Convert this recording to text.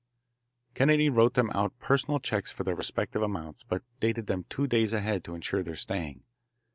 Kennedy wrote them out personal checks for their respective amounts, but dated them two days ahead to insure their staying.